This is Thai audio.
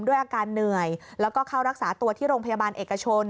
ด้วยอาการเหนื่อยแล้วก็เข้ารักษาตัวที่โรงพยาบาลเอกชน